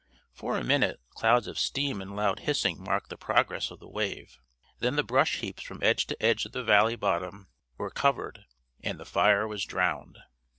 For a minute clouds of steam and loud hissing marked the progress of the wave, and then the brush heaps from edge to edge of the valley bottom were covered and the fire was drowned.